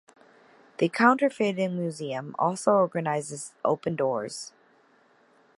The Counterfeiting Museum also organizes Open Doors.